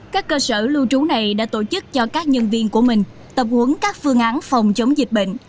các cơ sở lưu trú này đã tổ chức cho các nhân viên của mình tập huấn các phương án phòng chống dịch bệnh